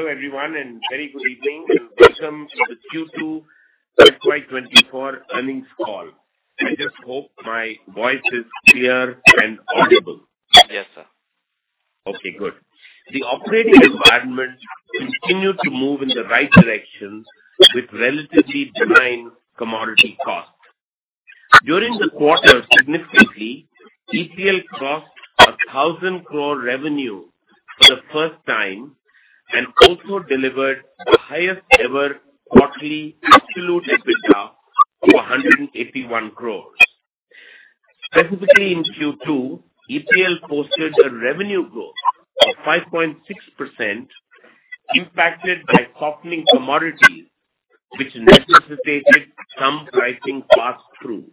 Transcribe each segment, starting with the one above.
Hello everyone, and very good evening. Welcome to Q2 FY 2024 earnings call. I just hope my voice is clear and audible. Yes, sir. Okay, good. The operating environment continued to move in the right direction with relatively benign commodity costs. During the quarter, significantly, EPL crossed 1,000 crore revenue for the first time and also delivered the highest ever quarterly absolute EBITDA of 181 crore. Specifically, in Q2, EPL posted a revenue growth of 5.6%, impacted by softening commodities, which necessitated some pricing pass-through.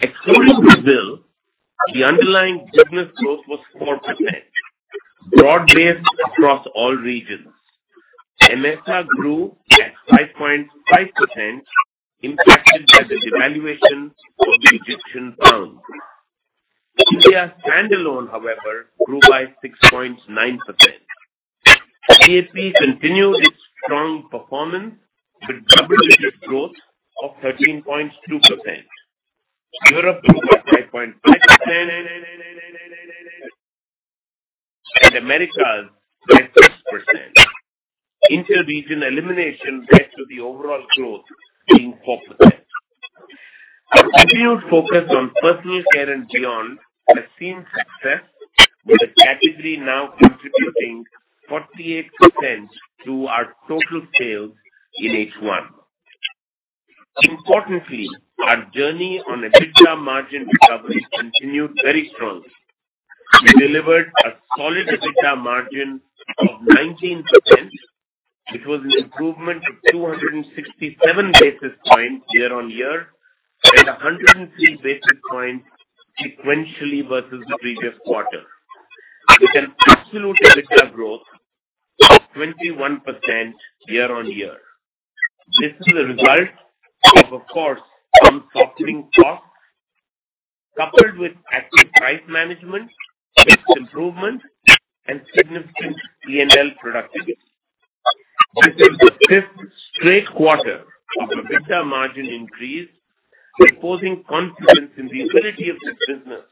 Excluding Brazil, the underlying business growth was 4%, broad-based across all regions. AMESA grew at 5.5%, impacted by the devaluation of the Egyptian pound. India standalone, however, grew by 6.9%. EAP continued its strong performance with double-digit growth of 13.2%. Europe grew by 5.5% and Americas by 6%. Inter-region elimination led to the overall growth being 4%. Our continued focus on personal care and beyond has seen success, with the category now contributing 48% to our total sales in H1. Importantly, our journey on EBITDA margin recovery continued very strongly. We delivered a solid EBITDA margin of 19%, which was an improvement of 267 basis points year-on-year and 103 basis points sequentially versus the previous quarter, with an absolute EBITDA growth of 21% year-on-year. This is a result of, of course, some softening costs, coupled with active price management, mix improvement, and significant P&L productivity. This is the 5th straight quarter of EBITDA margin increase, proposing confidence in the ability of this business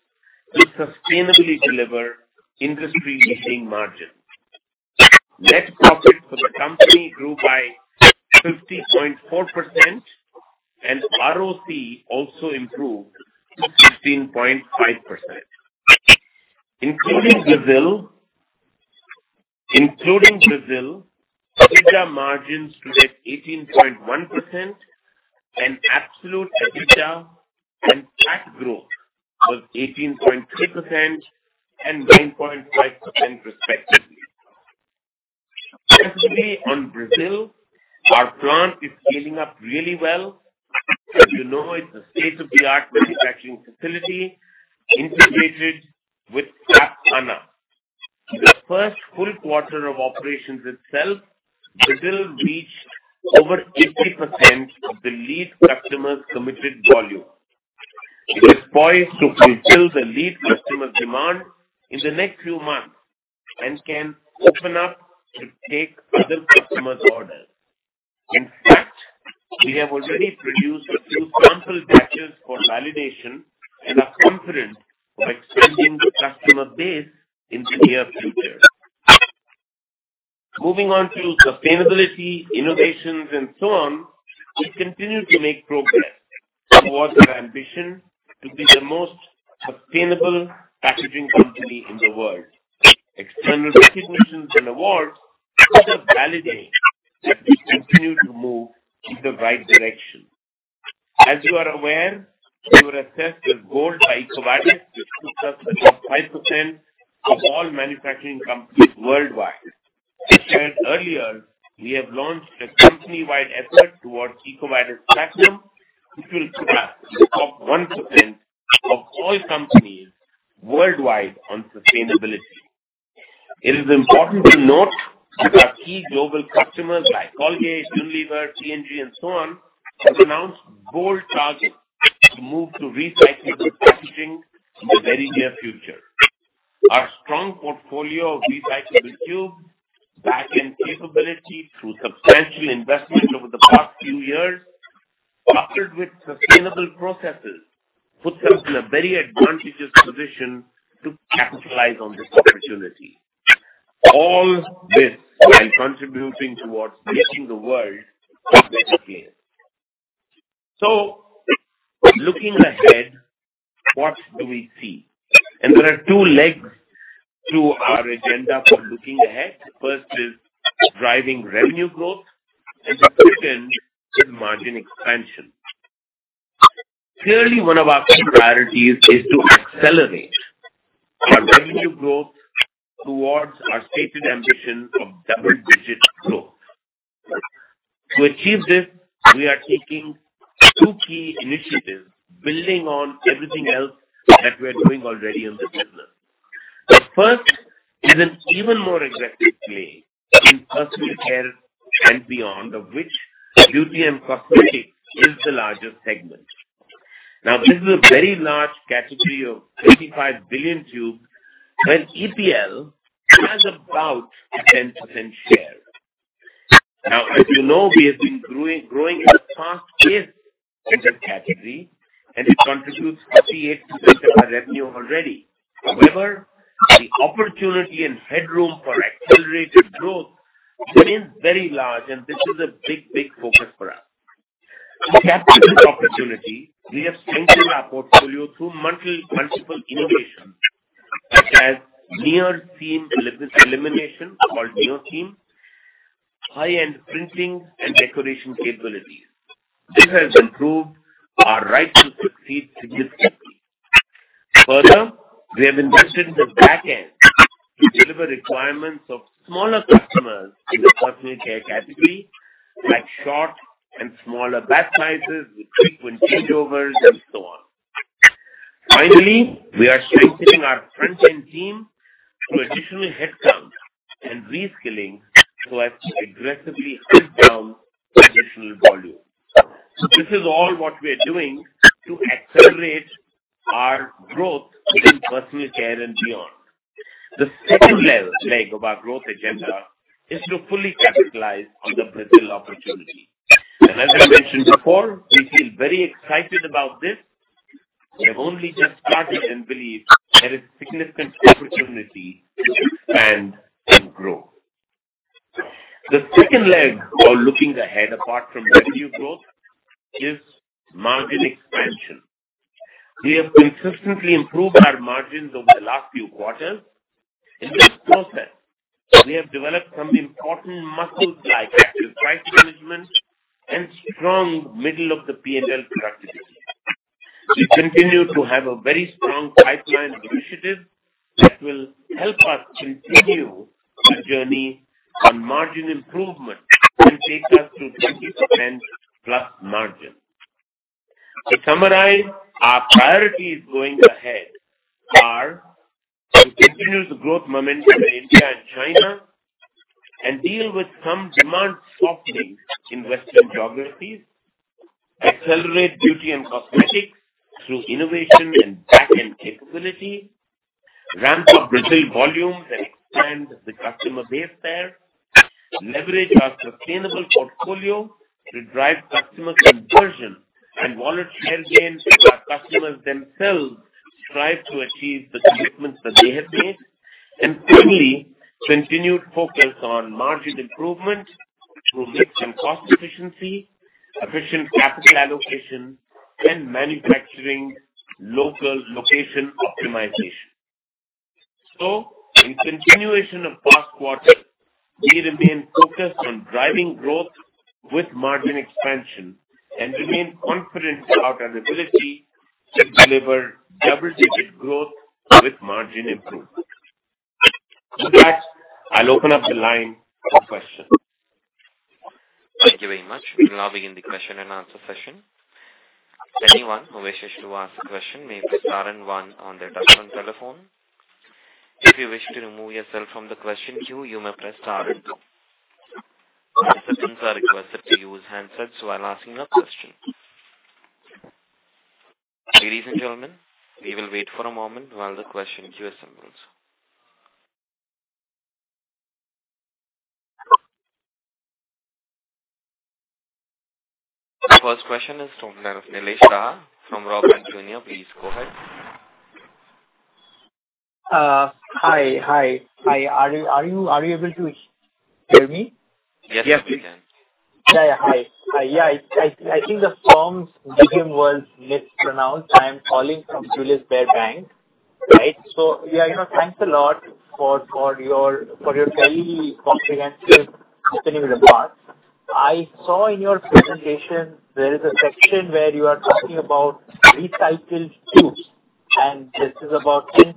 to sustainably deliver industry-leading margin. Net profit for the company grew by 50.4%, and ROC also improved to 16.5%. Including Brazil, EBITDA margins today 18.1% and absolute EBITDA and PAT growth was 18.3% and 9.5% respectively. Especially on Brazil, our plant is scaling up really well. As you know, it's a state-of-the-art manufacturing facility integrated with SAP HANA. In the first full quarter of operations itself, Brazil reached over 80% of the lead customer's committed volume. It is poised to fulfill the lead customer's demand in the next few months and can open up to take other customers' orders. In fact, we have already produced a few sample batches for validation and are confident of expanding the customer base in the near future. Moving on to sustainability, innovations, and so on, we continue to make progress towards our ambition to be the most sustainable packaging company in the world. External recognitions and awards further validate that we continue to move in the right direction. As you are aware, we were assessed with gold by EcoVadis, which puts us in the top 5% of all manufacturing companies worldwide. I shared earlier, we have launched a company-wide effort towards EcoVadis Platinum, which will put us in the top 1% of all companies worldwide on sustainability. It is important to note that our key global customers like Colgate, Unilever, P&G, and so on, have announced bold targets to move to recyclable packaging in the very near future. Our strong portfolio of recyclable tubes, backend capability through substantial investment over the past few years, coupled with sustainable processes, puts us in a very advantageous position to capitalize on this opportunity. All this will be contributing towards making the world a better place. So looking ahead, what do we see? There are two legs to our agenda for looking ahead. First is driving revenue growth and the second is margin expansion. Clearly, one of our key priorities is to accelerate our revenue growth towards our stated ambition of double-digit growth. To achieve this, we are taking two key initiatives, building on everything else that we're doing already in the business. The first is an even more aggressive play in personal care and beyond, of which beauty and cosmetics is the largest segment. Now, this is a very large category of 35 billion tubes, and EPL has about a 10% share. Now, as you know, we have been growing, growing at a fast pace in the category, and it contributes 38% of our revenue already. However, the opportunity and headroom for accelerated growth is very large, and this is a big, big focus for us. To capture this opportunity, we have strengthened our portfolio through multiple innovations, such as near-seam elimination, called NeoSeam, high-end printing and decoration capabilities. This has improved our right to succeed significantly. Further, we have invested in the back end to deliver requirements of smaller customers in the personal care category, like short and smaller batch sizes with frequent changeovers and so on. Finally, we are strengthening our front-end team through additional headcount and reskilling so as to aggressively hunt down additional volume. So this is all what we are doing to accelerate our growth in personal care and beyond. The second leg of our growth agenda is to fully capitalize on the Brazil opportunity. And as I mentioned before, we feel very excited about this. We've only just started and believe there is significant opportunity to expand and grow. The second leg of looking ahead, apart from revenue growth, is margin expansion. We have consistently improved our margins over the last few quarters. In this process, we have developed some important muscles like active price management and strong middle of the PNL productivity. We continue to have a very strong pipeline of initiatives that will help us continue the journey on margin improvement and take us to 20%+ margin. To summarize, our priorities going ahead are: to continue the growth momentum in India and China and deal with some demand softening in Western geographies. Accelerate beauty and cosmetics through innovation and back-end capability. Ramp up Brazil volumes and expand the customer base there. Leverage our sustainable portfolio to drive customer conversion and wallet share gains as our customers themselves strive to achieve the commitments that they have made. And finally, continued focus on margin improvement through mix and cost efficiency, efficient capital allocation, and manufacturing local location optimization. So in continuation of past quarter, we remain focused on driving growth with margin expansion and remain confident about our ability to deliver double-digit growth with margin improvement. With that, I'll open up the line for questions. Thank you very much. We'll now begin the question and answer session. Anyone who wishes to ask a question may press star and one on their touchtone telephone. If you wish to remove yourself from the question queue, you may press star and two. Participants are requested to use handsets while asking your question. Ladies and gentlemen, we will wait for a moment while the question queue assembles. The first question is from Nilesh Saha from Julius Baer. Please go ahead. Hi. Are you able to hear me? Yes, we can. Yeah. Hi. Yeah, I think the firm's name was mispronounced. I am calling from Julius Baer Bank. Right. So, yeah, you know, thanks a lot for your very comprehensive opening remarks. I saw in your presentation, there is a section where you are talking about recycled tubes, and this is about 10%,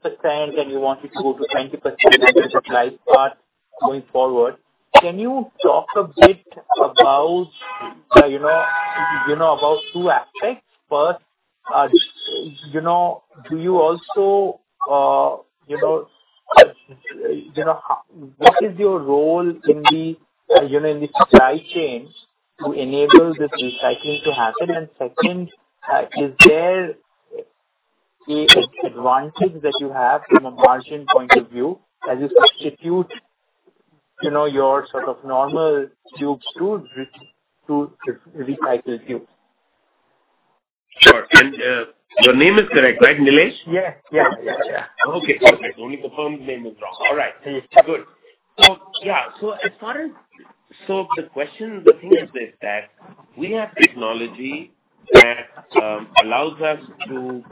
and you want it to go to 20% as a supply part going forward. Can you talk a bit about, you know, you know, about two aspects? First, you know, do you also, you know, you know, What is your role in the, you know, in the supply chain to enable this recycling to happen? And second, is there a advantage that you have from a margin point of view as you substitute, you know, your sort of normal tubes to recycled tubes? Sure. And, your name is correct, right, Nilesh? Yeah, yeah, yeah, yeah. Okay, perfect. Only the firm's name is wrong. All right, good. So, yeah, so as far as... So the question, the thing is this, that we have technology that allows us to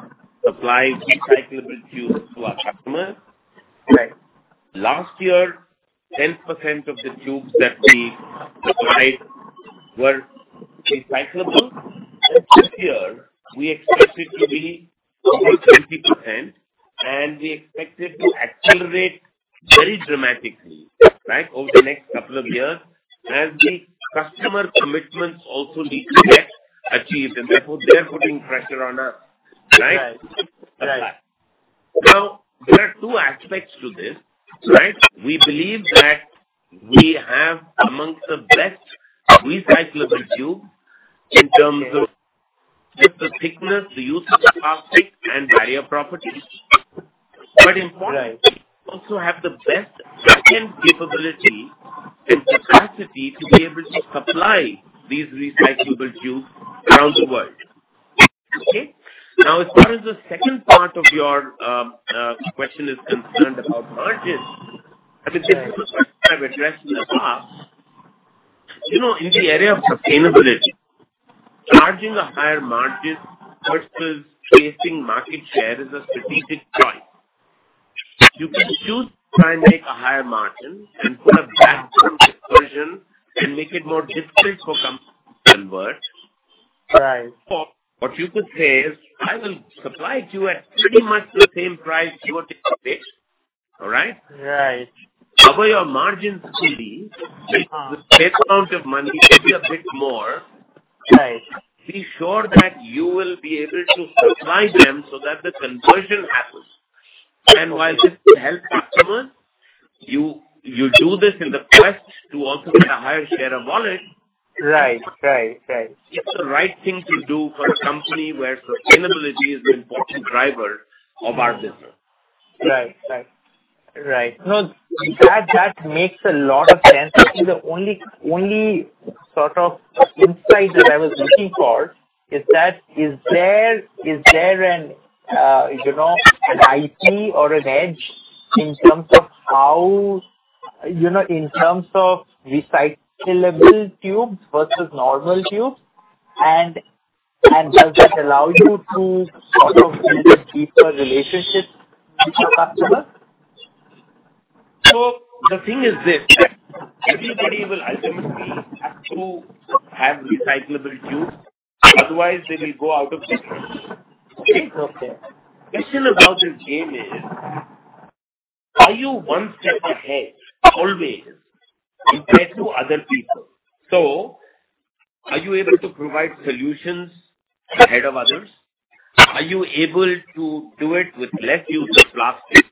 supply recyclable tubes to our customers. Right. Last year, 10% of the tubes that we provided were recyclable. This year, we expect it to be about 20%, and we expect it to accelerate very dramatically, right, over the next couple of years as the customer commitments also need to get achieved, and therefore they're putting pressure on us, right? Right.... two aspects to this, right? We believe that we have among the best recyclable tube in terms of with the thickness, the use of the plastic and barrier properties. But importantly- Right. -we also have the best second capability and capacity to be able to supply these recyclable tubes around the world. Okay? Now, as far as the second part of your question is concerned about margins. Right. I think I've addressed in the past. You know, in the area of sustainability, charging a higher margin versus chasing market share is a strategic choice. You can choose to try and make a higher margin and put a back door conversion and make it more difficult for companies to convert. Right. Or what you could say is, "I will supply you at pretty much the same price you are getting, all right? Right. However, your margins will be- Uh- the same amount of money, maybe a bit more. Right. Be sure that you will be able to supply them so that the conversion happens. While this will help customers, you do this in the quest to also get a higher share of wallet. Right. Right, right. It's the right thing to do for a company where sustainability is an important driver of our business. Right. Right. Right. No, that, that makes a lot of sense. The only, only sort of insight that I was looking for is that, is there, is there an, you know, an IP or an edge in terms of how... You know, in terms of recyclable tubes versus normal tubes? And, and does that allow you to sort of build a deeper relationship with the customer? The thing is this, everybody will ultimately have to have recyclable tubes, otherwise they will go out of business. Okay? Okay. Question about this game is, are you one step ahead always compared to other people? So are you able to provide solutions ahead of others? Are you able to do it with less use of plastic?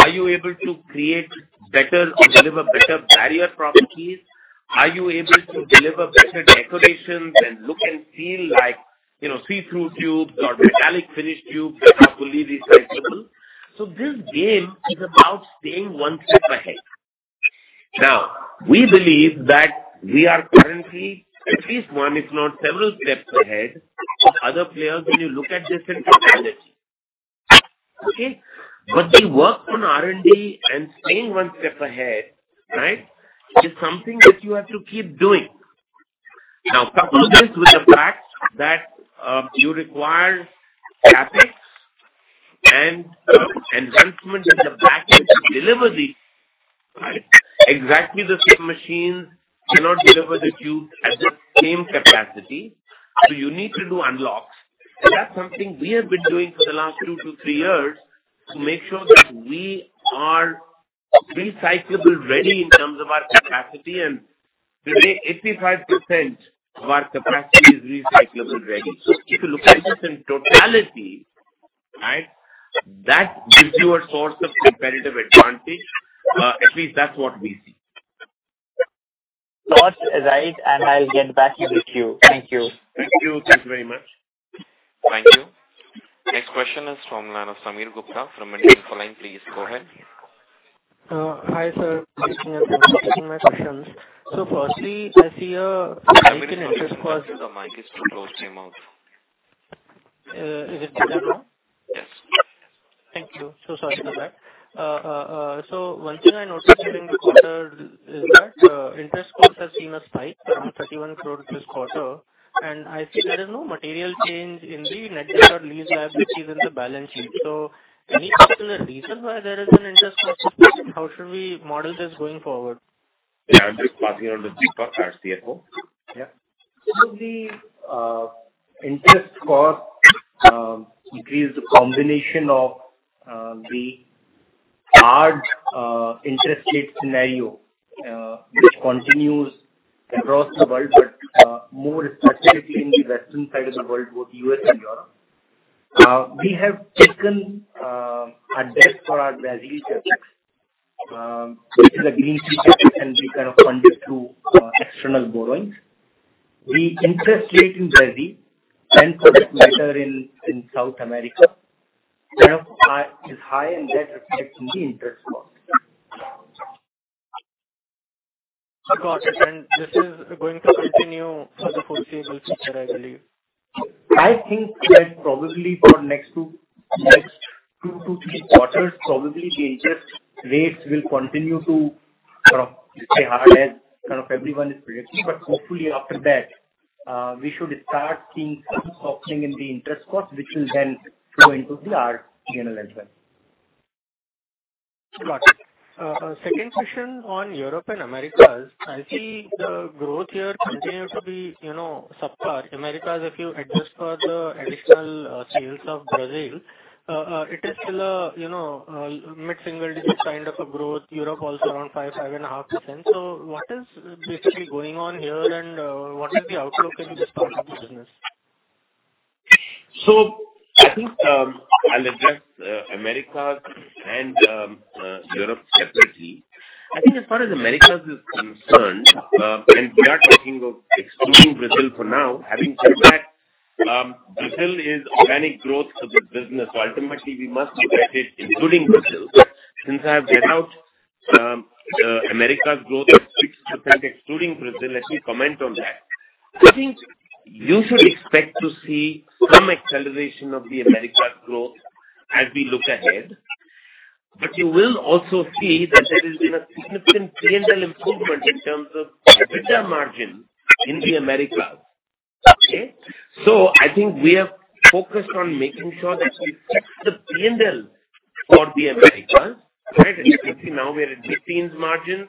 Are you able to create better or deliver better barrier properties? Are you able to deliver better decorations and look and feel like, you know, see-through tubes or metallic finish tubes that are fully recyclable? So this game is about staying one step ahead. Now, we believe that we are currently at least one, if not several steps ahead of other players when you look at this in totality. Okay? But the work on R&D and staying one step ahead, right, is something that you have to keep doing. Now, couple this with the fact that you require CapEx and enhancement in the package to deliver the... Right. Exactly the same machine cannot deliver the tube at the same capacity, so you need to do unlocks. That's something we have been doing for the last 2-3 years, to make sure that we are recyclable ready in terms of our capacity and today 85% of our capacity is recyclable ready. So if you look at this in totality, right, that gives you a source of competitive advantage. At least that's what we see. Thoughts, right? And I'll get back with you. Thank you. Thank you. Thank you very much. Thank you. Next question is from Sameer Gupta from India Infoline. Please go ahead. Hi, sir, my questions. So firstly, I see The mic is too close to your mouth. Is it better now? Yes. Thank you. So sorry for that. One thing I noticed during the quarter is that interest costs have seen a spike, 31 crore this quarter, and I see there is no material change in the net debt or lease liability in the balance sheet. Any particular reason why there is an interest cost? How should we model this going forward? Yeah, I'll just pass it on to Deepak, our CFO. Yeah. So the interest cost increase is the combination of the hard interest rate scenario, which continues across the world, but more specifically in the western side of the world, both U.S. and Europe. We have taken a debt for our Brazil projects. So it is a greenfield project, and we kind of funded through external borrowings. The interest rate in Brazil, and for that matter, in South America, kind of high, is high, and that reflects in the interest cost. Got it. This is going to continue for the foreseeable future, I believe. I think that probably for next two to three quarters, probably the interest rates will continue to sort of stay hard as kind of everyone is predicting. But hopefully after that, we should start seeing some softening in the interest cost, which will then flow into our P&L as well. Got it. Second question on Europe and Americas. I see the growth here continue to be, you know, subpar. Americas, if you adjust for the additional sales of Brazil, it is still a, you know, mid-single digit kind of a growth. Europe, also around 5-5.5%. So what is basically going on here, and what is the outlook in this part of the business?... So I think, I'll address, Americas and, Europe separately. I think as far as Americas is concerned, and we are talking of excluding Brazil for now, having said that, Brazil is organic growth for the business. So ultimately we must look at it including Brazil. Since I have given out, America's growth of 6% excluding Brazil, let me comment on that. I think you should expect to see some acceleration of the America's growth as we look ahead, but you will also see that there has been a significant PNL improvement in terms of EBITDA margin in the Americas. Okay? So I think we are focused on making sure that we fix the PNL for the Americas, right? I think now we are at 15% margin,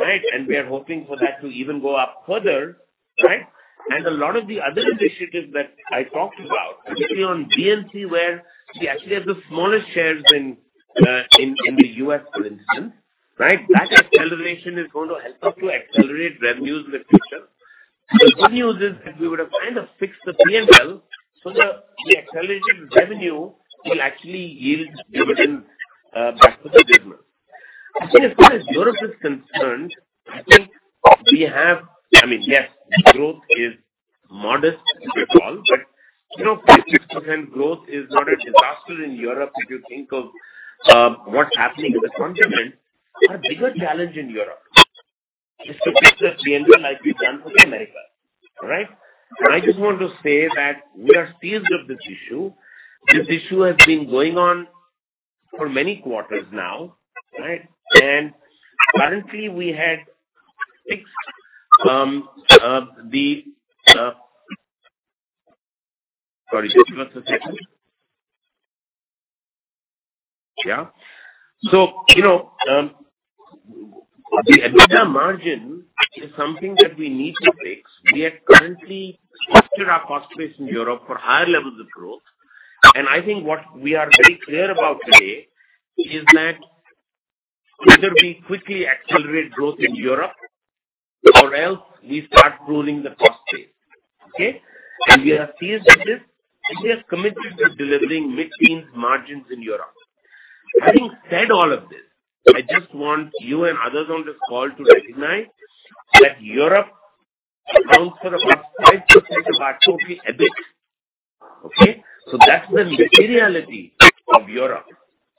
right? And we are hoping for that to even go up further, right? A lot of the other initiatives that I talked about, especially on B&C, where we actually have the smallest shares in, in the US, for instance, right? That acceleration is going to help us to accelerate revenues in the future. The good news is that we would have kind of fixed the PNL, so the accelerated revenue will actually yield dividend back to the business. I think as far as Europe is concerned, I think we have... I mean, yes, growth is modest at all, but, you know, 50% growth is not a disaster in Europe if you think of what's happening in the continent. Our bigger challenge in Europe is to fix the PNL like we've done for the Americas. All right? I just want to say that we are seized of this issue. This issue has been going on for many quarters now, right? Currently, the EBITDA margin is something that we need to fix. We are currently posturing our cost base in Europe for higher levels of growth. And I think what we are very clear about today is that either we quickly accelerate growth in Europe or else we start reducing the cost base. Okay? And we are seized of this, and we are committed to delivering mid-teens margins in Europe. Having said all of this, I just want you and others on this call to recognize that Europe accounts for about 5% of our total EBITDA. Okay? So that's the materiality of Europe.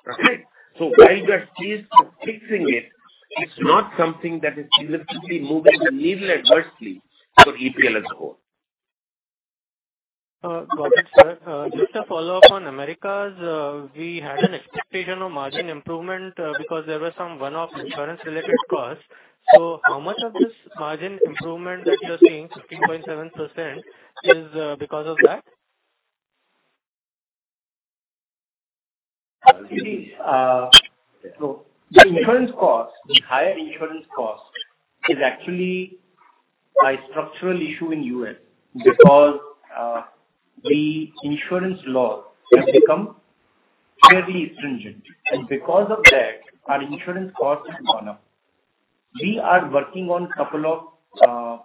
Right? While we are seized of fixing it, it's not something that is significantly moving the needle adversely for EPL as a whole. Got it, sir. Just a follow-up on Americas. We had an expectation of margin improvement, because there were some one-off insurance-related costs. So how much of this margin improvement that you're seeing, 15.7%, is because of that? So the insurance cost, the higher insurance cost, is actually a structural issue in U.S. because the insurance laws have become fairly stringent. Because of that, our insurance costs have gone up. We are working on couple of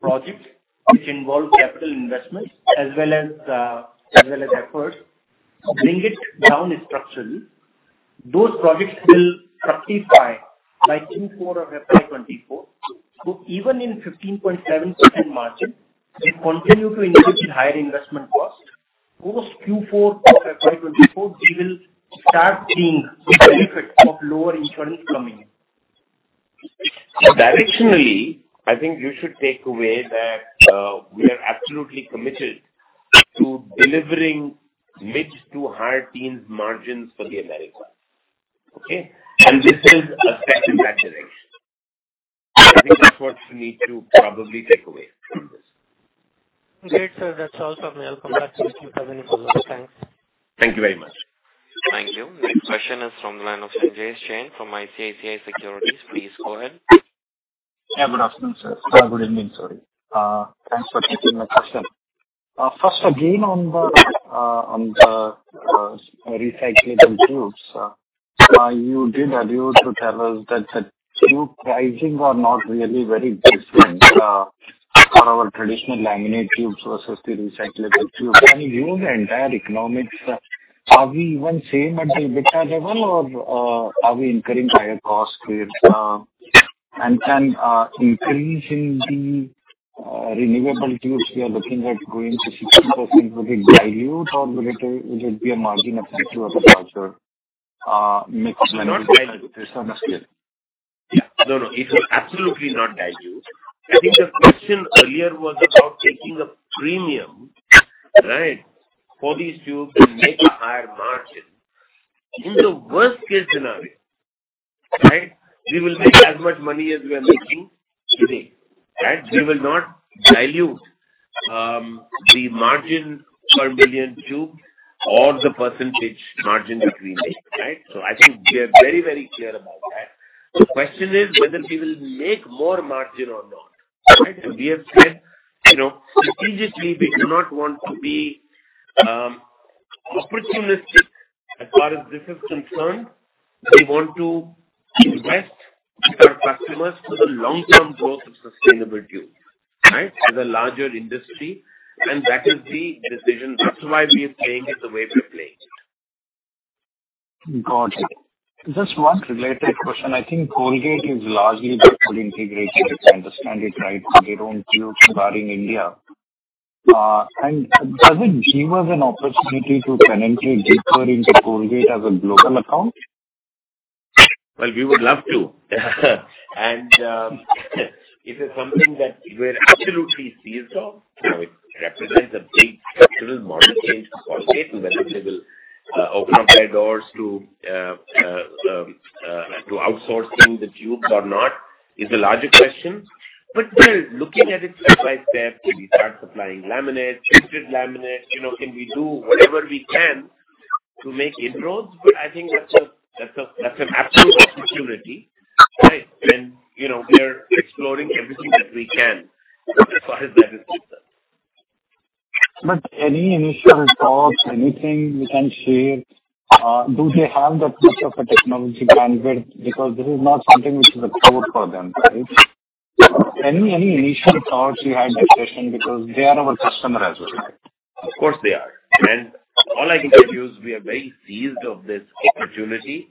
projects which involve capital investments as well as as well as efforts to bring it down structurally. Those projects will fructify by Q4 of FY 2024. So even in 15.7% margin, we continue to invest in higher investment costs. Post Q4 of FY 2024, we will start seeing the benefit of lower insurance coming in. Directionally, I think you should take away that we are absolutely committed to delivering mid- to high-teens margins for the Americas. Okay? And this is a second maturation. I think that's what you need to probably take away from this. Great, sir. That's all from my end. I'll come back to you if you have any follow-ups. Thanks. Thank you very much. Thank you. Next question is from the line of Sanjay Jain from ICICI Securities. Please go ahead. Yeah, good afternoon, sir. Good evening, sorry. Thanks for taking my question. First, again, on the recyclable tubes, you did allude to tell us that the tube pricing are not really very different for our traditional laminate tubes versus the recyclable tubes. Can you view the entire economics? Are we even same at the EBITDA level, or are we incurring higher costs with... And can increase in the renewable tubes, we are looking at going to 60%, will it dilute, or will it be a margin effective of the larger mix? Yeah. No, no, it will absolutely not dilute. I think the question earlier was about taking a premium, right, for these tubes to make higher margin. In the worst-case scenario, right, we will make as much money as we are making today, right? We will not dilute, the margin per billion tube or the percentage margin that we make, right? So I think we are very, very clear about that. The question is whether we will make more margin or not, right? So we have said, you know, strategically, we do not want to be opportunistic as far as this is concerned, we want to invest in our customers for the long-term growth of sustainable tubes, right? As a larger industry, and that is the decision. That's why we are playing it the way we're playing it. Got it. Just one related question. I think Colgate is largely backward integrated, if I understand it right, so they don't use bar in India. And does it give us an opportunity to potentially dip her into Colgate as a global account? Well, we would love to. It is something that we're absolutely seized of. You know, it represents a big structural model change for Colgate, and whether they will open up their doors to outsourcing the tubes or not is a larger question. But we're looking at it step by step. Can we start supplying laminate, printed laminate? You know, can we do whatever we can to make inroads? But I think that's an absolute opportunity, right? And, you know, we are exploring everything that we can as far as that is concerned. But any initial thoughts, anything you can share? Do they have the touch of a technology bandwidth? Because this is not something which is a code for them, right? Any initial thoughts you had in that session? Because they are our customer as well. Of course they are. And all I can tell you is we are very seized of this opportunity,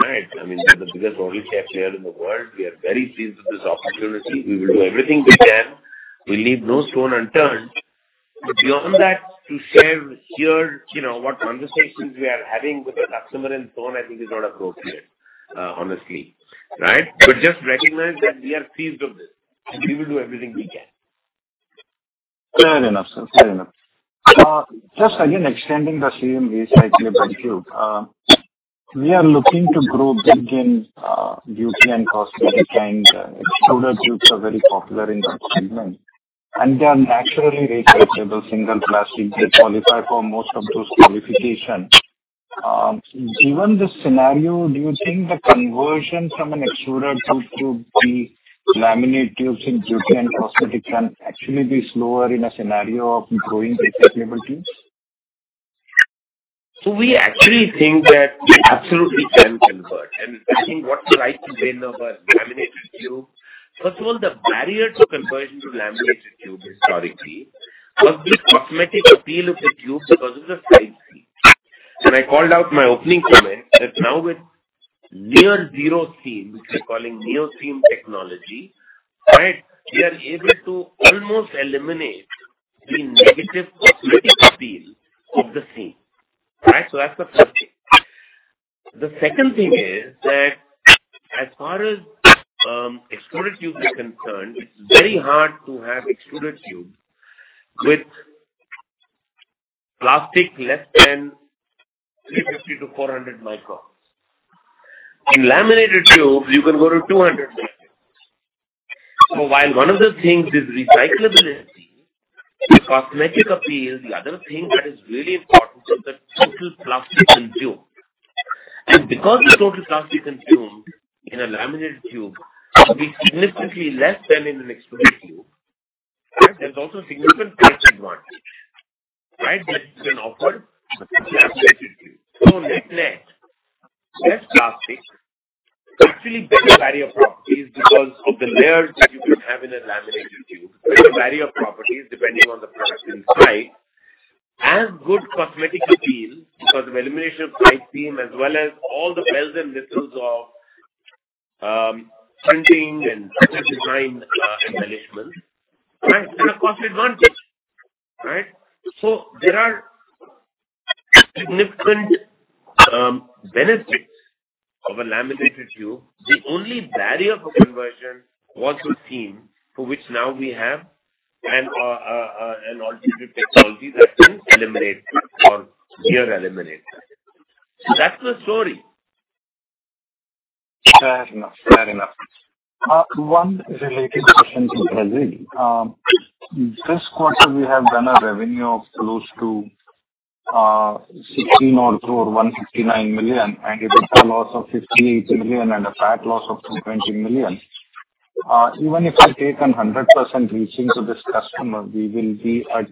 right? I mean, they're the biggest oral care player in the world. We are very seized of this opportunity. We will do everything we can. We'll leave no stone unturned. But beyond that, to share here, you know, what conversations we are having with a customer and so on, I think is not appropriate, honestly, right? But just recognize that we are seized of this, and we will do everything we can. Fair enough, sir. Fair enough. Just again, extending the same way I clear about tube, we are looking to grow big in, beauty and cosmetics, and extruder tubes are very popular in that segment, and they are naturally recyclable single plastic. They qualify for most of those qualifications. Given the scenario, do you think the conversion from an extruder tube to the laminated tubes in beauty and cosmetics can actually be slower in a scenario of growing recyclable tubes? We actually think that absolutely can convert. I think what's right to say about laminated tube, first of all, the barrier to conversion to laminated tube historically, was the cosmetic appeal of the tube because of the size seam. I called out my opening comment, that now with near-zero seam, which we're calling NeoSeam technology, right, we are able to almost eliminate the negative cosmetic appeal of the seam, right? That's the first thing. The second thing is that as far as extruded tube is concerned, it's very hard to have extruded tube with plastic less than 350-400 microns. In laminated tubes, you can go to 200 microns. So while one of the things is recyclability, the cosmetic appeal, the other thing that is really important is the total plastic consumed. And because the total plastic consumed in a laminated tube will be significantly less than in an extruded tube, right, there's also a significant price advantage, right, that you can offer a laminated tube. So net, net, less plastic, actually better barrier properties because of the layers that you would have in a laminated tube. Better barrier properties depending on the product inside, and good cosmetic appeal because of elimination of pipe seam as well as all the bells and whistles of printing and design, embellishments, right? And a cost advantage, right? So there are significant benefits of a laminated tube. The only barrier for conversion was the seam, for which now we have an alternative technology that can eliminate or near eliminate that. So that's the story. Fair enough. Fair enough. One related question, this quarter we have done a revenue of close to 160 or 169 million, and it is a loss of 58 million and a PAT loss of 220 million. Even if I take a hundred percent reaching to this customer, we will be at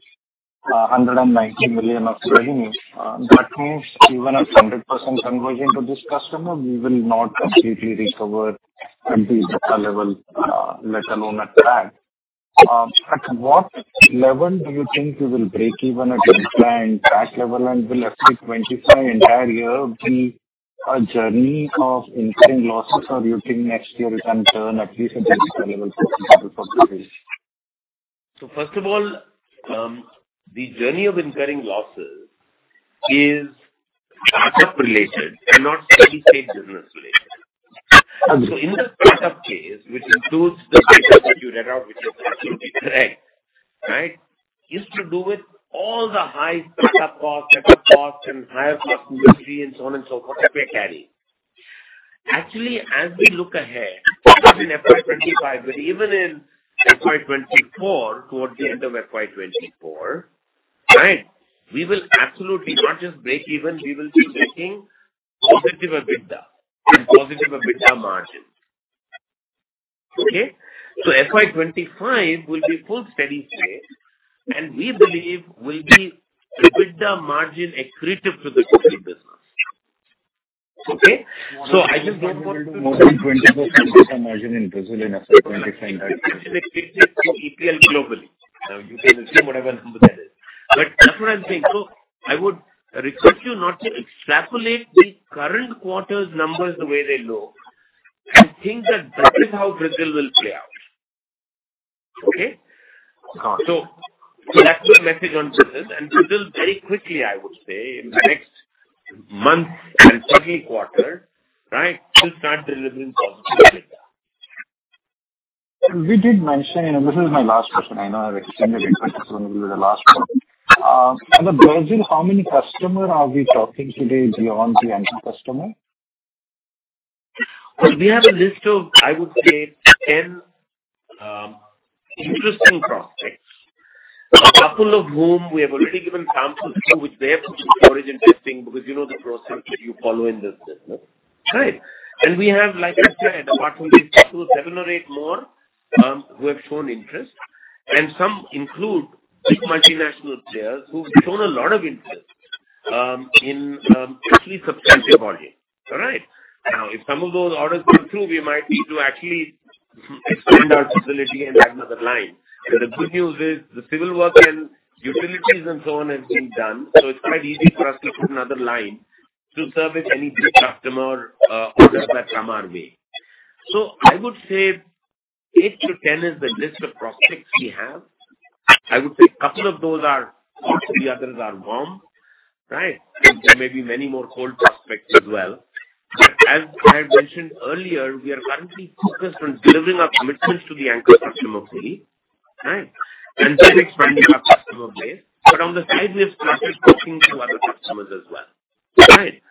190 million of revenue. That means even at a hundred percent conversion to this customer, we will not completely recover at the EBITDA level, let alone at PAT. At what level do you think you will break even at EBITDA and PAT level, and will FY 2025 entire year be a journey of incurring losses, or you think next year it can turn at least at the EBITDA level for this? First of all, the journey of incurring losses is startup related and not steady state business related. Okay. So in the startup case, which includes the cases that you read out, which is absolutely correct, right? Used to do with all the high setup costs, setup costs, and higher cost industry and so on and so forth that we carry. Actually, as we look ahead in FY 2025, but even in FY 2024, towards the end of FY 2024, right, we will absolutely not just break even, we will be making positive EBITDA and positive EBITDA margin. Okay, so FY 2025 will be full steady state, and we believe will be EBITDA margin accretive to the business, okay? So I just don't want to- More than 24% margin in Brazil in FY 2025. Globally. Now, you can assume whatever you want with that. But that's what I'm saying. So I would request you not to extrapolate the current quarter's numbers the way they look, and think that, that is how Brazil will play out. Okay? Uh. That's my message on Brazil. Brazil, very quickly, I would say, in the next month and second quarter, right, will start delivering positive EBITDA. We did mention, and this is my last question. I know I've extended it, but this is going to be the last one. In Brazil, how many customer are we talking today beyond the anchor customer? So we have a list of, I would say, 10 interesting prospects, a couple of whom we have already given samples to, which they have put in storage and testing, because you know the process that you follow in this business, right? And we have, like I said, a pipeline to seven or eight more who have shown interest, and some include big multinationals there, who've shown a lot of interest in actually substantial volume. All right? Now, if some of those orders go through, we might need to actually expand our facility and add another line. But the good news is, the civil work and utilities and so on has been done, so it's quite easy for us to put another line to service any big customer orders that come our way. So I would say 8-10 is the list of prospects we have. I would say a couple of those are... hot, the others are warm, right? And there may be many more cold prospects as well. But as I had mentioned earlier, we are currently focused on delivering our commitments to the anchor customer fully, right, and then expanding our customer base. But on the side, we have started talking to other customers as well, right?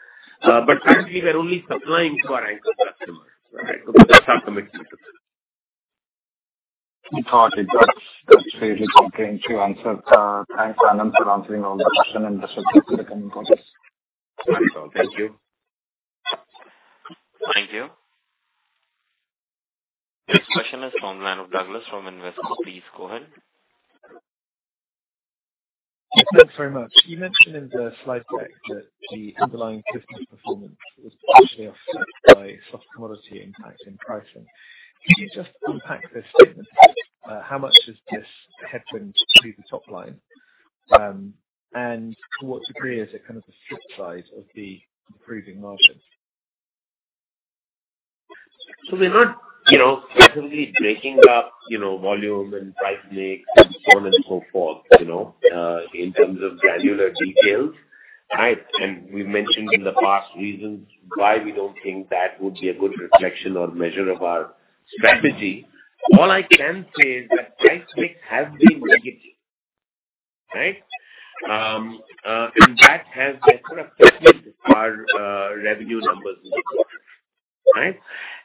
But currently we are only supplying to our anchor customer, right? Because that's our commitment to them. Got it. That's, that's very helpful. Thank you, Anand, for answering all the question, and this will be the coming quarters. Thank you. Thank you. The next question is from line of Douglas from Investec. Please go ahead. Thanks very much. You mentioned in the slide deck that the underlying business performance was partially offset by soft commodity impact in pricing. Can you just unpack this statement? How much is this headwind to the top line, and to what degree is it kind of the flip side of the improving margins? So we're not, you know, definitely breaking up, you know, volume and price mix and so on and so forth, you know, in terms of granular details, right? And we've mentioned in the past reasons why we don't think that would be a good reflection or measure of our strategy. All I can say is that price mix have been negative, right? And that has therefore affected our revenue numbers in the quarter, right?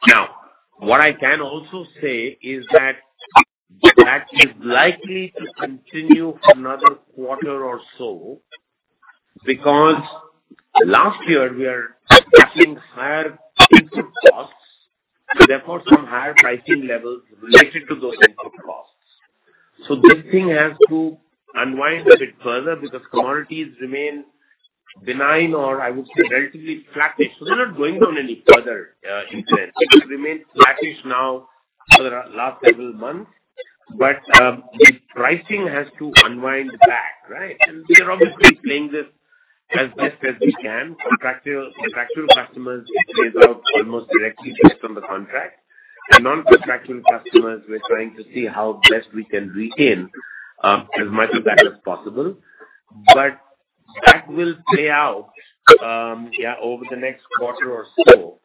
Now, what I can also say is that that is likely to continue for another quarter or so, because last year we are seeing higher input costs, therefore, some higher pricing levels related to those input costs. So this thing has to unwind a bit further because commodities remain benign, or I would say relatively flattish. So they're not going down any further, in trend. It remains flattish now for the last several months, but the pricing has to unwind back, right? And we are obviously playing this as best as we can. Contractual, contractual customers plays out almost directly based on the contract. And non-contractual customers, we're trying to see how best we can retain as much of that as possible. But that will play out, yeah, over the next quarter or so,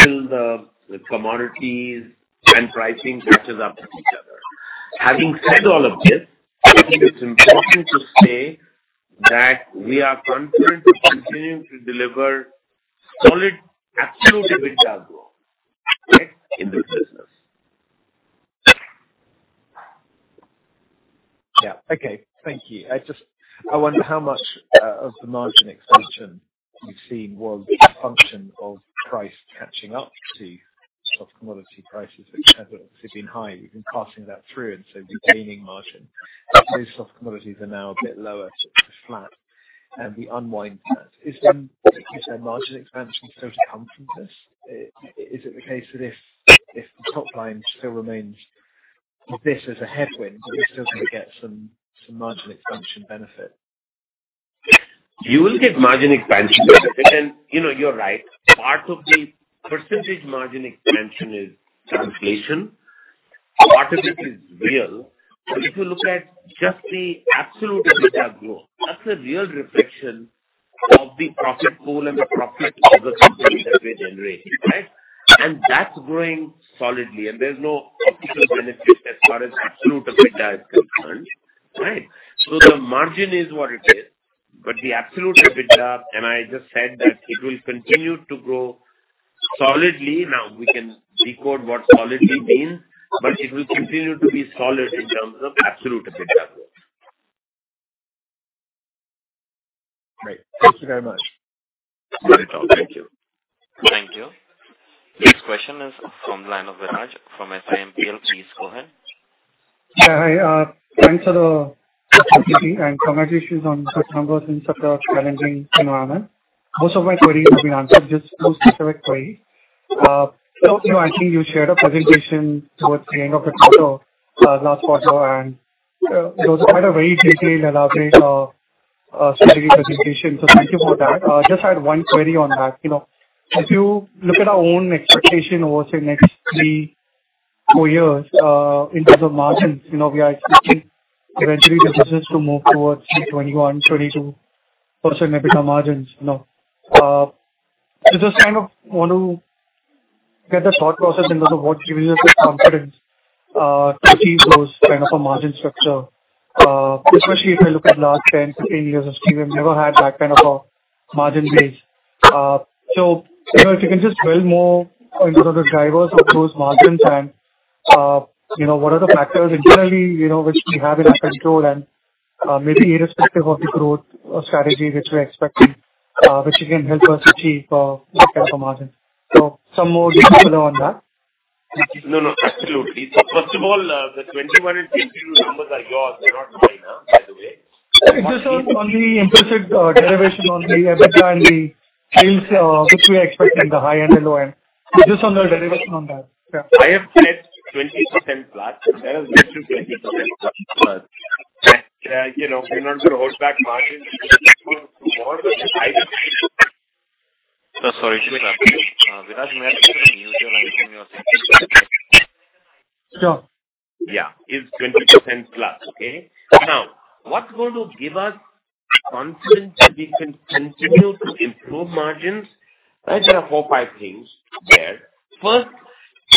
till the commodities and pricing catches up with each other. Having said all of this, I think it's important to say that we are confident we're continuing to deliver solid, absolute EBITDA growth, right, in this business. Yeah. Okay. Thank you. I just wonder how much of the margin expansion you've seen was a function of price catching up to soft commodity prices, which have been sitting high. You've been passing that through, and so regaining margin. Those soft commodities are now a bit lower, sort of flat, and we unwind that. Is the margin expansion still to come from this? Is it the case that if the top line still remains, this is a headwind, but we're still going to get some margin expansion benefit? You will get margin expansion benefit, and, you know, you're right. Part of the percentage margin expansion is translation, part of it is real. But if you look at just the absolute EBITDA growth, that's a real reflection of the profit pool and the profit of the business that we're generating, right? And that's growing solidly, and there's no optical benefit as far as absolute EBITDA is concerned, right? So the margin is what it is, but the absolute EBITDA, and I just said that it will continue to grow solidly. Now, we can decode what solidly means, but it will continue to be solid in terms of absolute EBITDA growth.... Thank you very much. Very well. Thank you. Thank you. Next question is from line of Viraj from SIMPL. Please go ahead. Yeah, hi, thanks for the opportunity and congratulations on the numbers in such a challenging environment. Most of my queries have been answered, just one specific query. So, you know, I think you shared a presentation towards the end of the quarter, last quarter, and, it was quite a very detailed, elaborate, strategy presentation. So thank you for that. Just had one query on that. You know, as you look at our own expectation over, say, next 3-4 years, in terms of margins, you know, we are expecting eventually the business to move towards 21%-22% EBITDA margins. Now, so just kind of want to get the thought process in terms of what gives us the confidence, to achieve those kind of a margin structure. Especially if I look at last 10, 15 years of history, we've never had that kind of a margin base. So, you know, if you can just build more in terms of the drivers of those margins and, you know, what are the factors internally, you know, which we have in our control and, maybe irrespective of the growth or strategy which we're expecting, which you can help us achieve, that kind of a margin. So some more detail on that. No, no, absolutely. So first of all, the 21 and 22 numbers are yours, they're not mine, by the way. It's just on the implicit derivation on the EBITDA and the sales, which we expect in the high end and low end. It's just on the derivation on that. Yeah. I have said 20%+. There is 20%+. Yeah, you know, we're not gonna hold back margin. Oh, sorry to interrupt you. Viraj, may I just mute you and unmute me? Sure. Yeah. It's 20%+. Okay? Now, what's going to give us confidence that we can continue to improve margins, right? There are four, five things there. First,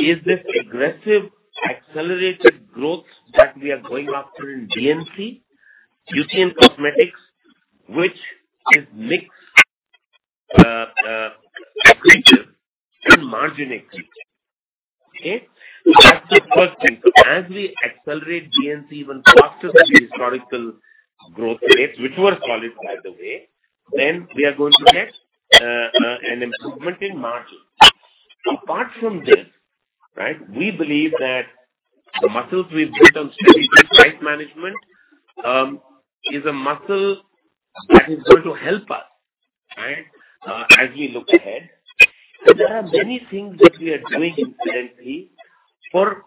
is this aggressive, accelerated growth that we are going after in B&C, you see in cosmetics, which is mixed, accretive and margin accretive. Okay? So that's the first thing. As we accelerate B&C even faster than the historical growth rates, which were solid, by the way, then we are going to get, an improvement in margins. Apart from this, right, we believe that the muscles we've built on strategic price management, is a muscle that is going to help us, right, as we look ahead. So there are many things that we are doing incidentally for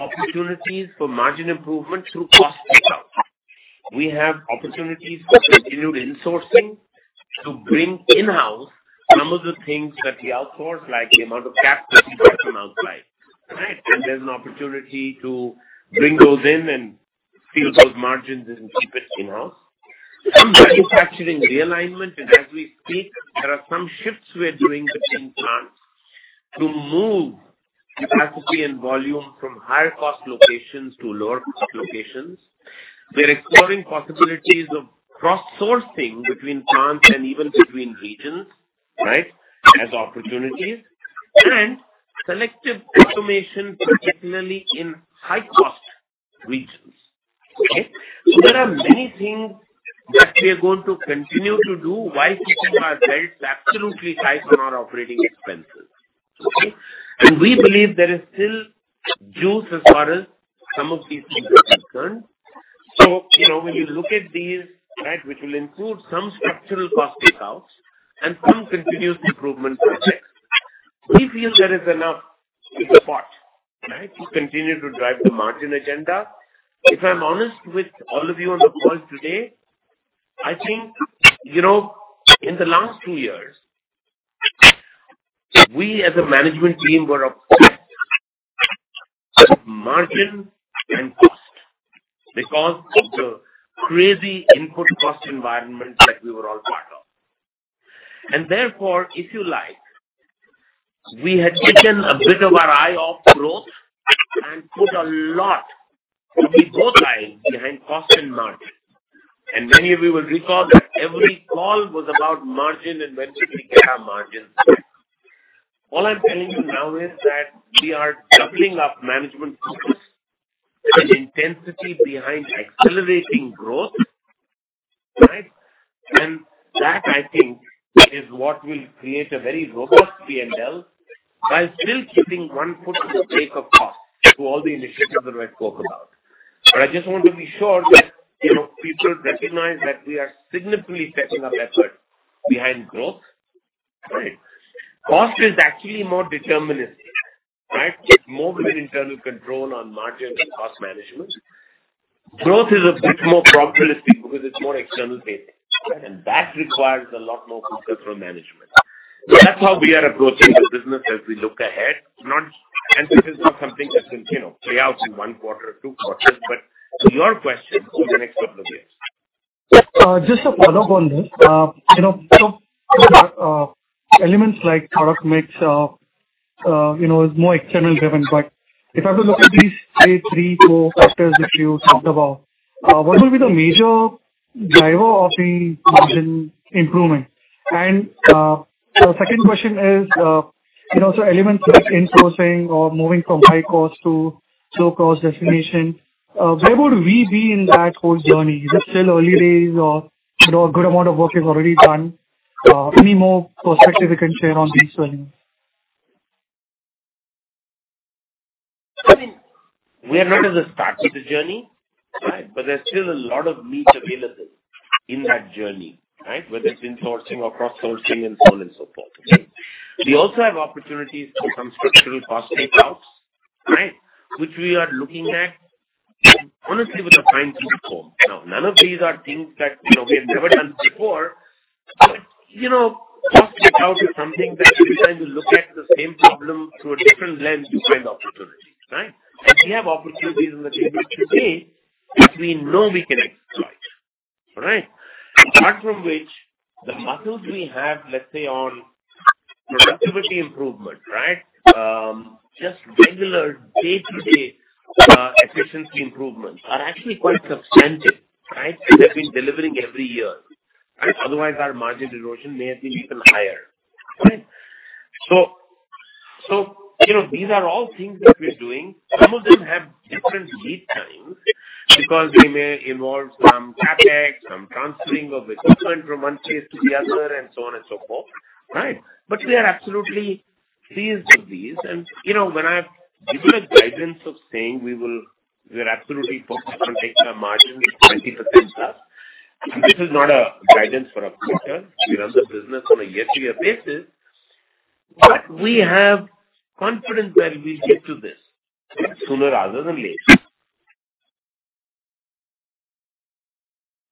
opportunities for margin improvement through cost takeout. We have opportunities for continued insourcing to bring in-house some of the things that we outsource, like the amount of caps we buy from outside, right? And there's an opportunity to bring those in and seal those margins and keep it in-house. Some manufacturing realignment, and as we speak, there are some shifts we are doing between plants to move capacity and volume from higher cost locations to lower cost locations. We're exploring possibilities of cross-sourcing between plants and even between regions, right, as opportunities and selective automation, particularly in high-cost regions. Okay? So there are many things that we are going to continue to do while keeping our belts absolutely tight on our operating expenses. Okay? And we believe there is still juice as far as some of these things are concerned. So, you know, when you look at these, right, which will include some structural cost takeouts and some continuous improvement projects, we feel there is enough in the pot, right, to continue to drive the margin agenda. If I'm honest with all of you on the call today, I think, you know, in the last two years, we as a management team were obsessed with margin and cost because of the crazy input cost environment that we were all part of. Therefore, if you like, we had taken a bit of our eye off growth and put a lot to be both eyes behind cost and margin. Many of you will recall that every call was about margin and when should we get our margin back. All I'm telling you now is that we are doubling up management focus and intensity behind accelerating growth, right? That, I think, is what will create a very robust P&L while still keeping one foot on the brake of cost through all the initiatives that I spoke about. But I just want to be sure that, you know, people recognize that we are significantly stepping up effort behind growth. Right? Cost is actually more deterministic, right? It's more of an internal control on margin and cost management. Growth is a bit more probabilistic because it's more external facing, and that requires a lot more focus from management. So that's how we are approaching the business as we look ahead. Not, and this is not something that will, you know, play out in one quarter or two quarters, but to your question, over the next couple of years. Just a follow-up on this. You know, so, elements like product mix, you know, is more external driven, but if I was looking at these say three, four factors which you talked about, what will be the major driver of the margin improvement? And, the second question is, you know, so elements like insourcing or moving from high cost to low-cost destination, where would we be in that whole journey? Is it still early days or, you know, a good amount of work you've already done? Any more perspective you can share on these journeys? I mean, we are not at the start of the journey, right? But there's still a lot of meat available in that journey, right? Whether it's insourcing or cross-sourcing and so on and so forth, okay? We also have opportunities for some structural cost takeouts, right, which we are looking at honestly with a fine-tooth comb. Now, none of these are things that, you know, we have never done before. You know, cost takeout is something that every time you look at the same problem through a different lens, you find opportunity, right? And we have opportunities in the business today, which we know we can exploit, right? Apart from which, the muscles we have, let's say, on productivity improvement, right, just regular day-to-day, efficiency improvements are actually quite substantive, right? And they've been delivering every year, right? Otherwise, our margin erosion may have been even higher, right? So, so, you know, these are all things that we're doing. Some of them have different lead times because they may involve some CapEx, some transferring of equipment from one place to the other and so on and so forth, right? But we are absolutely pleased with these. And, you know, when I give you a guidance of saying we will—we are absolutely focused on taking our margin to 20%+, and this is not a guidance for a quarter. We run the business on a year-to-year basis, but we have confidence that we'll get to this sooner rather than later.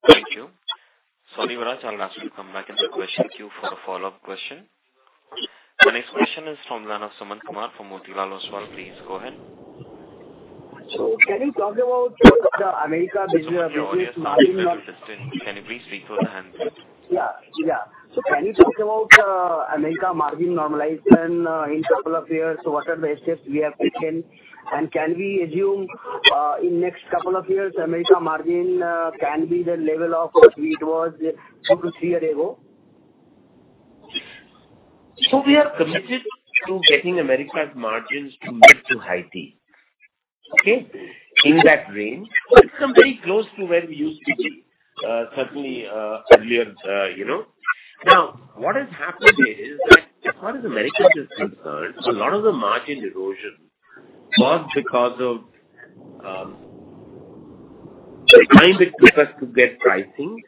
Thank you. Sorry, Viraj, I'll ask you to come back in the question queue for a follow-up question. The next question is from Sumant Kumar from Motilal Oswal. Please go ahead. Can you talk about the Americas business? Sorry, your sound is a little distant. Can you please speak to the hand? Yeah. Yeah. So can you talk about Americas margin normalization in a couple of years? So what are the steps we have taken, and can we assume in next couple of years, Americas margin can be the level of which it was 2-3 years ago? So we are committed to getting Americas margins to get to high teens, okay? In that range, so it's come very close to where we used to be, certainly, earlier, you know. Now, what has happened is that as far as Americas is concerned, a lot of the margin erosion was because of, the time it took us to get pricing,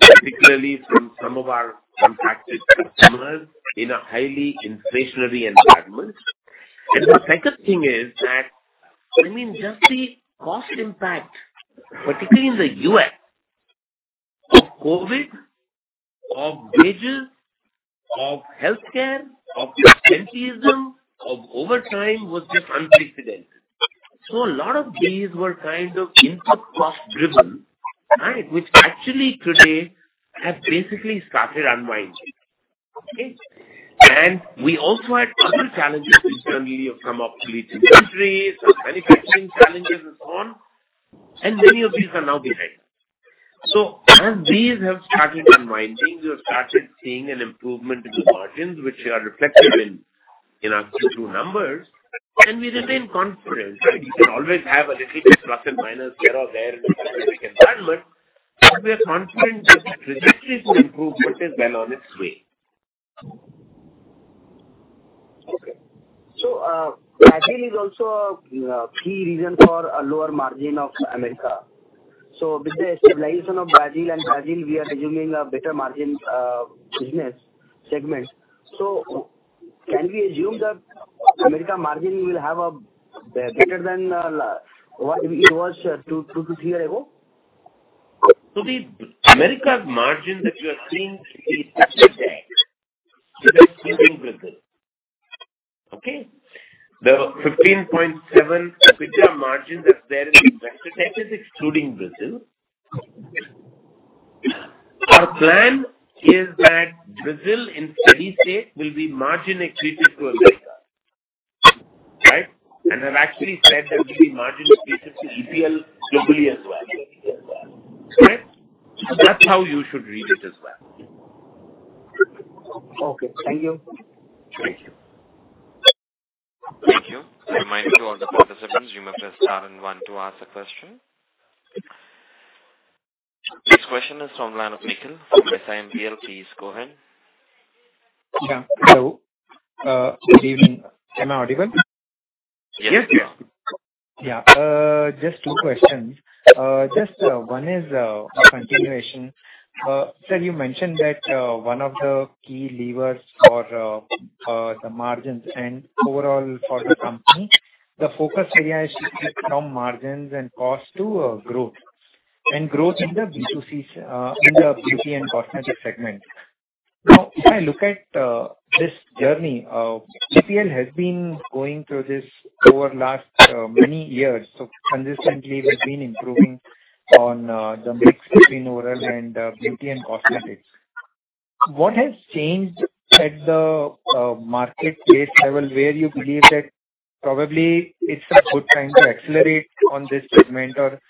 particularly from some of our contracted customers in a highly inflationary environment. And the second thing is that, I mean, just the cost impact, particularly in the U.S., of COVID, of wages, of healthcare, of absenteeism, of overtime, was just unprecedented. So a lot of these were kind of input cost driven, right? Which actually today have basically started unwinding. Okay? We also had other challenges, which certainly of some opportunities in the country, some manufacturing challenges and so on, and many of these are now behind. So as these have started unwinding, we have started seeing an improvement in the margins, which are reflected in our Q2 numbers, and we remain confident, right? You can always have a little plus and minus here or there in the economic environment, but we are confident that the trajectory to improvement is well on its way. Okay. So, Brazil is also a key reason for a lower margin of Americas. So with the stabilization of Brazil and Brazil, we are assuming a better margin business segment. So can we assume that Americas margin will have a better than what it was 2-3 years ago? So the Americas margin that you are seeing is actually that, excluding Brazil, okay? The 15.7 EBITDA margin that's there in investor deck is excluding Brazil. Our plan is that Brazil in steady state will be margin accretive to Americas, right? And I've actually said that it will be margin accretive to EPL globally as well. Right? That's how you should read it as well. Okay. Thank you. Thank you. Thank you. A reminder to all the participants, you may press star and one to ask a question. Next question is from Nikhil Upadhyay from SIMPL. Please go ahead. Yeah. Hello, good evening. Am I audible? Yes, yes. Yeah, just two questions. Just one is a continuation. Sir, you mentioned that one of the key levers for the margins and overall for the company, the focus area is to shift from margins and cost to growth, and growth in the B2C in the beauty and cosmetics segment. Now, if I look at this journey, EPL has been going through this over last many years. So consistently, we've been improving on the mix between overall and beauty and cosmetics. What has changed at the market rate level, where you believe that probably it's a good time to accelerate on this segment or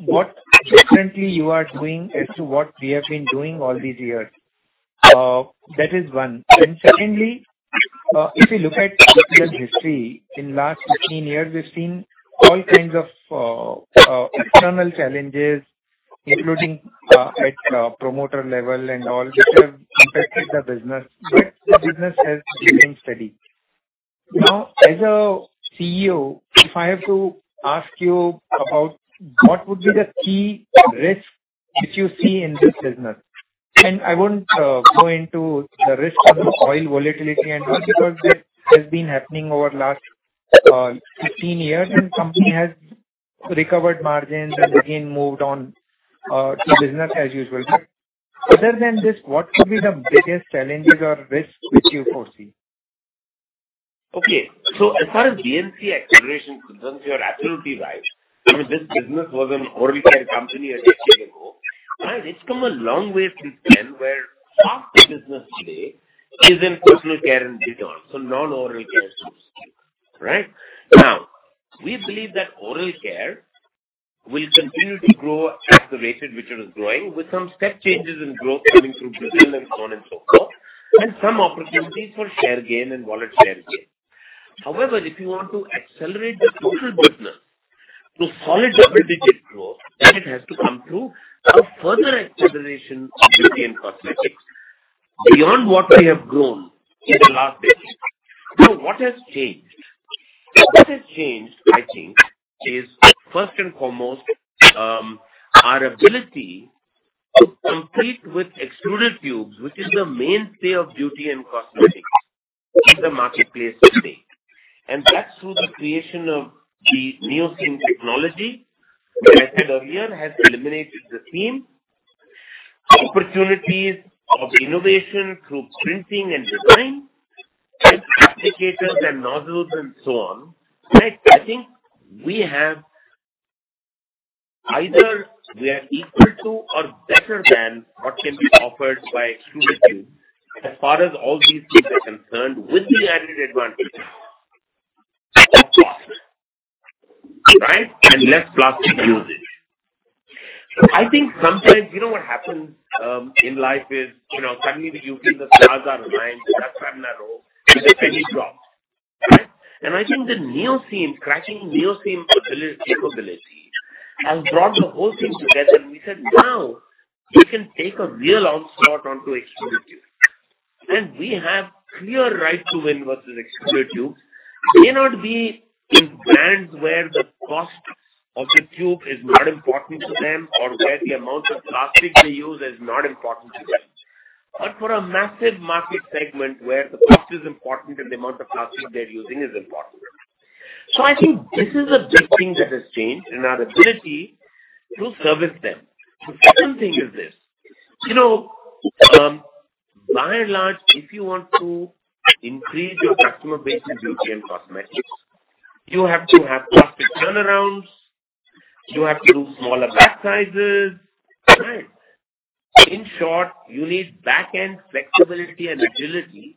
what differently you are doing as to what we have been doing all these years. That is one. And secondly, if you look at history, in last 15 years, we've seen all kinds of external challenges, including at promoter level and all, which have impacted the business, but the business has remained steady. Now, as a CEO, if I have to ask you about what would be the key risks that you see in this business, and I wouldn't go into the risk of the oil volatility and all, because that has been happening over last 15 years and company has recovered margins and again moved on to business as usual. But other than this, what could be the biggest challenges or risks which you foresee? Okay. So as far as B&C acceleration concerns, you're absolutely right. I mean, this business was an oral care company a decade ago, and it's come a long way since then, where half the business today is in personal care and beyond. So non-oral care solutions, right? Now, we believe that oral care will continue to grow at the rate at which it is growing, with some step changes in growth coming through Brazil and so on and so forth, and some opportunities for share gain and wallet share gain. However, if you want to accelerate the total business to solid double-digit growth, then it has to come through a further acceleration of beauty and cosmetics beyond what we have grown in the last decade. So what has changed? What has changed, I think, is first and foremost, our ability to compete with extruded tubes, which is the mainstay of beauty and cosmetics in the marketplace today. And that's through the creation of the NeoSeam technology, which I said earlier, has eliminated the seam. Opportunities of innovation through printing and design, applicators and nozzles and so on. Right? I think we have, either we are equal to or better than what can be offered by extruded tube as far as all these things are concerned, with the added advantage of cost, right, and less plastic usage. I think sometimes, you know, what happens, in life is, you know, suddenly you think the stars are aligned and that's when the rope and the penny drops, right? And I think the NeoSeam, cracking NeoSeam ability, capability has brought the whole thing together. We said, now we can take a real onslaught onto extruded tube, and we have clear right to win versus extruded tube. May not be in brands where the cost of the tube is not important to them or where the amount of plastic they use is not important to them. But for a massive market segment where the cost is important and the amount of plastic they're using is important. So I think this is a big thing that has changed in our ability to service them. The second thing is this: you know, by and large, if you want to increase your customer base in beauty and cosmetics, you have to have [faster] turnarounds, you have to do smaller pack sizes, right? In short, you need back-end flexibility and agility,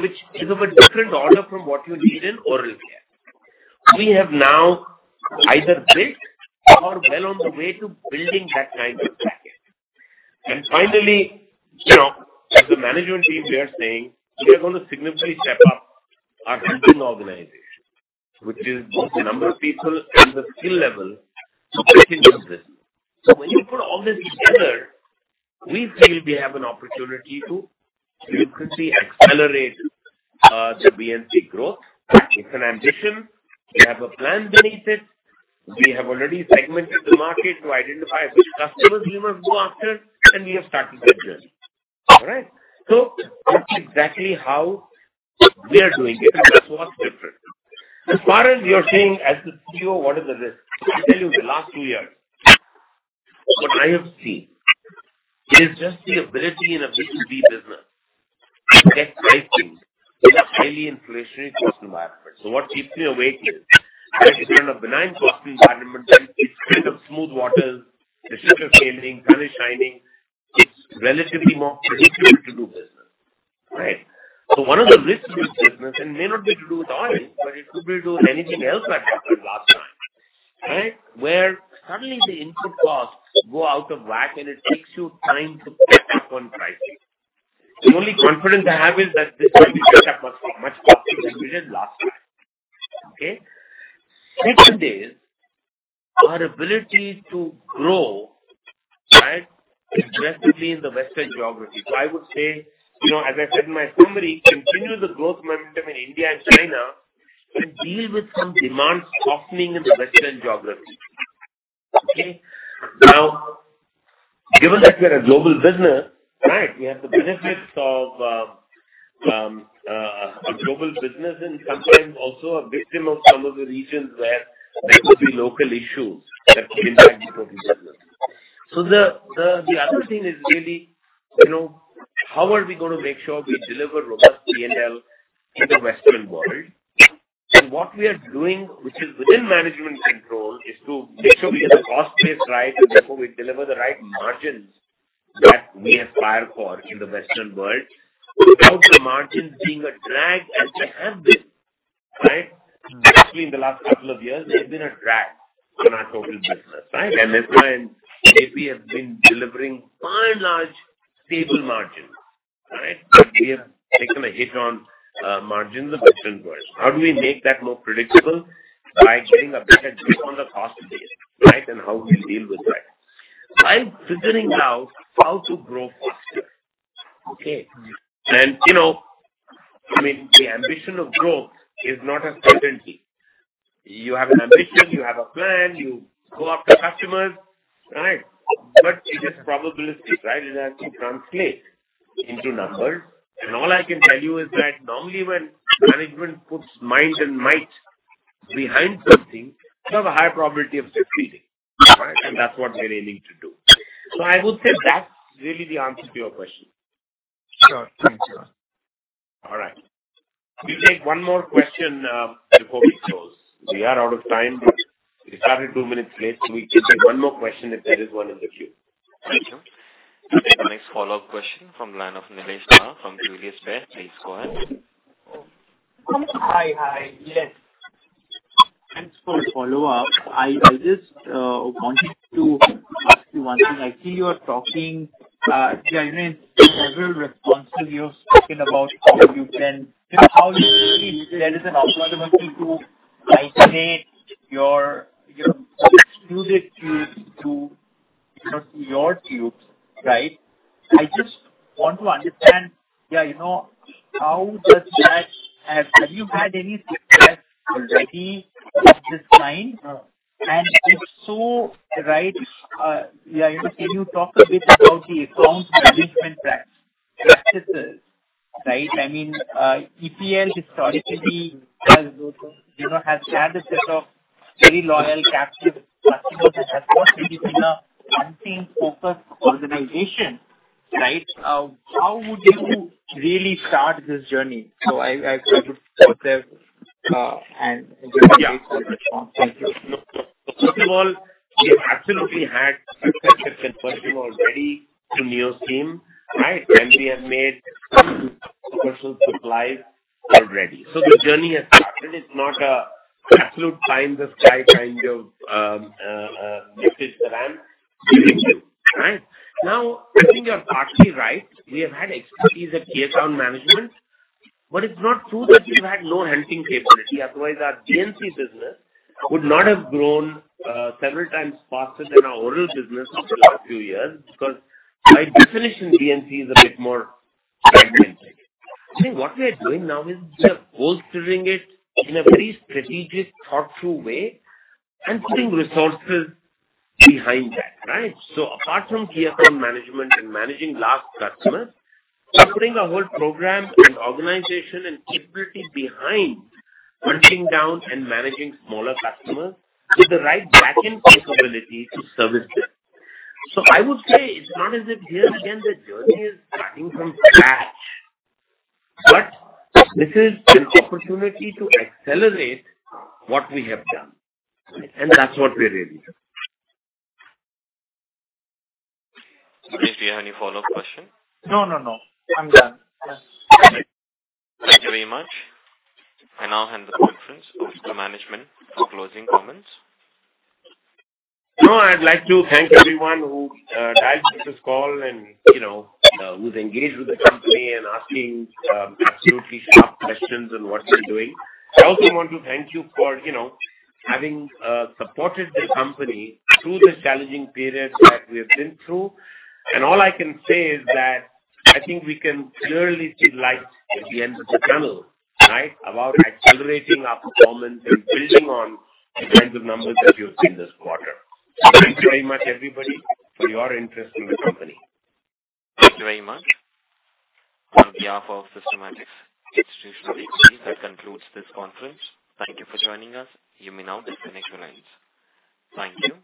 which is of a different order from what you need in oral care. We have now either built or well on the way to building that kind of package. And finally, you know, as a management team, we are saying we are going to significantly step up our grouping organization, which is both the number of people and the skill level to pitch into the business. So when you put all this together, we feel we have an opportunity to significantly accelerate the B&C growth. It's an ambition. We have a plan beneath it. We have already segmented the market to identify which customers we must go after, and we have started that journey. All right? So that's exactly how we are doing it. And that's what's different. As far as you're saying, as the CEO, what is the risk? I tell you, the last two years, what I have seen is just the ability in a B2B business to get pricing in a highly inflationary cost environment. So what keeps me awake is, in a benign cost environment, it's kind of smooth waters, the ship is sailing, sun is shining. It's relatively more predictable to do business, right? So one of the risks to this business, and may not be to do with oil, but it could be to do with anything else that happened last time, right? Where suddenly the input costs go out of whack, and it takes you time to catch up on pricing. The only confidence I have is that this will be much, much faster than we did last time. Okay? Second is our ability to grow, right, aggressively in the Western geography. So I would say, you know, as I said in my summary, continue the growth momentum in India and China, and deal with some demand softening in the Western geography. Okay? Now, given that we are a global business, right, we have the benefits of a global business and sometimes also a victim of some of the regions where there could be local issues that impact the business. So the other thing is really, you know, how are we going to make sure we deliver robust P&L in the Western world? And what we are doing, which is within management control, is to make sure we are the cost base right, and therefore we deliver the right margins we aspire for in the Western world, without the margins being a drag as they have been, right? Actually, in the last couple of years, they've been a drag on our total business, right? And that's why AP have been delivering by and large stable margins, right? But we are taking a hit on margins in the Western world. How do we make that more predictable? By getting a better grip on the cost base, right, and how we deal with that. By figuring out how to grow faster, okay? And, you know, I mean, the ambition of growth is not a certainty. You have an ambition, you have a plan, you go after customers, right? But it is probabilistic, right? It has to translate into numbers. And all I can tell you is that normally when management puts mind and might behind something, you have a high probability of succeeding, right? And that's what we're aiming to do. I would say that's really the answer to your question. Sure. Thank you. All right. We'll take one more question before we close. We are out of time. We started two minutes late, so we can take one more question if there is one in the queue. Thank you. The next follow-up question from the line of Nidhi Shah from UBS. Please go ahead. Hi, hi. Yes, thanks for the follow-up. I, I just wanted to ask you one thing. I see you are talking, yeah, in several responses, you've spoken about how you can—you know, how there is an opportunity to isolate your, your extruded tubes to, you know, to your tubes, right? I just want to understand, yeah, you know, how does that? Have, have you had any success already of this kind? And if so, right, yeah, can you talk a bit about the account management practices, right? I mean, EPL historically has, you know, has had a set of very loyal, captive customers. It has not been a hunting-focused organization, right? How would you really start this journey? So I, I try to put them, and- Yeah. Thank you. First of all, we have absolutely had success with conversion already to NeoSeam, right? And we have made commercial supplies already. So the journey has started. It's not an absolute pie in the sky kind of gifted brand. Thank you. Right. Now, I think you're partly right. We have had expertise at key account management, but it's not true that we've had no hunting capability. Otherwise, our B&C business would not have grown several times faster than our oral business over the last few years, because by definition, B&C is a bit more fragmented. I think what we are doing now is, we are bolstering it in a very strategic, thought-through way and putting resources behind that, right? Apart from key account management and managing large customers, we're putting a whole program and organization and capability behind hunting down and managing smaller customers with the right backend capability to service them. I would say it's not as if here again, the journey is starting from scratch, but this is an opportunity to accelerate what we have done, and that's what we're doing. Do you have any follow-up question? No, no, no. I'm done. Yes. Thank you very much. I now hand the conference over to management for closing comments. No, I'd like to thank everyone who dialed into this call and, you know, who's engaged with the company and asking absolutely sharp questions on what we're doing. I also want to thank you for, you know, having supported the company through this challenging period that we have been through. And all I can say is that I think we can clearly see light at the end of the tunnel, right? About accelerating our performance and building on the kinds of numbers that you've seen this quarter. Thank you very much, everybody, for your interest in the company. Thank you very much. On behalf of Systematix Institutional Equities, that concludes this conference. Thank you for joining us. You may now disconnect your lines. Thank you.